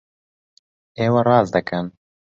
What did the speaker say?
ئێوە ڕاست دەکەن!